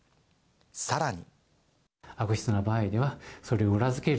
さらに。